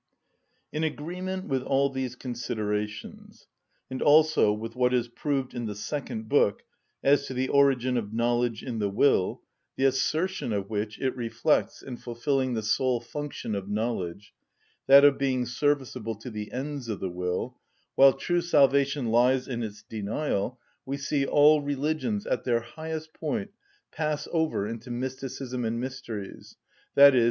In agreement with all these considerations, and also with what is proved in the second book as to the origin of knowledge in the will, the assertion of which it reflects in fulfilling the sole function of knowledge, that of being serviceable to the ends of the will, while true salvation lies in its denial, we see all religions at their highest point pass over into mysticism and mysteries, _i.e.